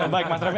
baik mas romi